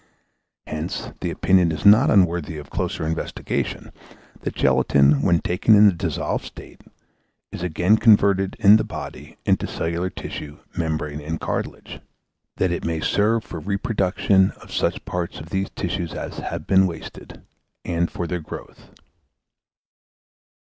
Hence the opinion is not unworthy of a closer investigation, that gelatine, when taken in the dissolved state, is again converted, in the body, into cellular tissue, membrane and cartilage; that it may serve for the reproduction of such parts of these tissues as have been wasted, and for their growth.